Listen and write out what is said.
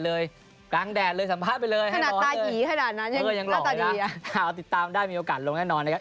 เฮ้ยยังหล่อเลยล่ะถามได้มีโอกาสลงแน่นอนนะครับ